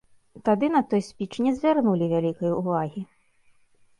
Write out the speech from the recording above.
Тады на той спіч не звярнулі вялікай увагі.